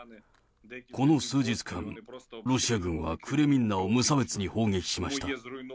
この数日間、ロシア軍はクレミンナを無差別に砲撃しました。